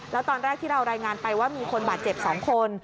แล้วตอนแรกที่เรารายงานไปว่ามีคนบาดเจ็บ๒คน